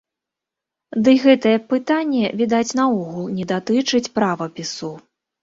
Дый гэтае пытанне, відаць, наогул не датычыць правапісу.